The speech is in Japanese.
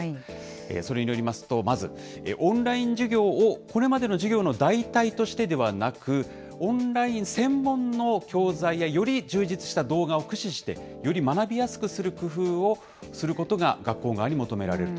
それによりますと、まずオンライン授業をこれまでの授業の代替としてではなく、オンライン専門の教材や、より充実した動画を駆使して、より学びやすくする工夫をすることが、学校側に求められると。